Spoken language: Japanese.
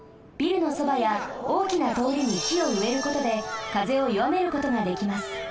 ビルのそばやおおきなとおりに木をうえることで風をよわめることができます。